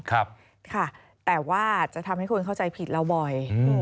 ค่ะแต่ว่าจะทำให้คนเข้าใจผิดเราบ่อย